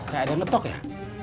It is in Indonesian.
gak ada yang ngetok ya